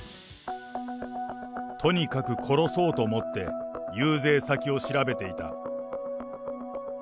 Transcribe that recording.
とにかく殺そうと思って、遊説先を調べていた。